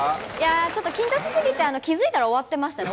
ちょっと緊張し過ぎて、気付いたら終わってましたね。